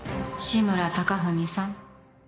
志村貴文さん